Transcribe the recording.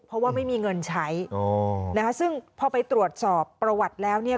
เพราะว่าไม่มีเงินใช้อ๋อนะคะซึ่งพอไปตรวจสอบประวัติแล้วเนี่ย